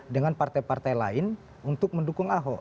dengan partai partai lain untuk mendukung ahok